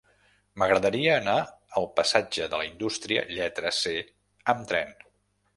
M'agradaria anar al passatge de la Indústria lletra C amb tren.